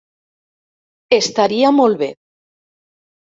Estaria molt bé.